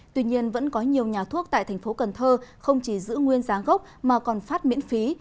tuy nhiên vẫn có nhiều nhà thuốc tại thành phố cần thơ không chỉ giữ nguyên giá gốc mà còn phát miễn phí